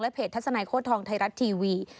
เพจทัศนัยโค้ดทองไทยรัฐทีวี